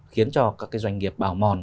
khiến cho các cái doanh nghiệp bảo mòn